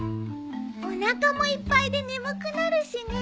おなかもいっぱいで眠くなるしね。